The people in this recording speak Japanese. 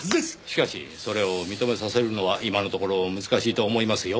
しかしそれを認めさせるのは今のところ難しいと思いますよ。